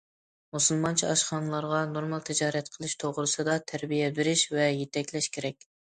مۇسۇلمانچە ئاشخانىلارغا نورمال تىجارەت قىلىش توغرىسىدا تەربىيە بېرىش ۋە يېتەكلەش كېرەك.